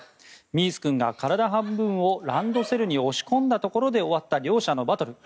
ミース君が体半分をランドセルに押し込んだところで終わった両者のバトル。